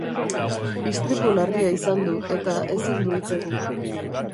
Istripu larria izan du, eta ezin du hitz egin.